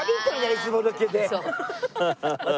いつもロケで。